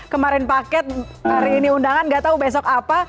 kemarin paket hari ini undangan nggak tahu besok apa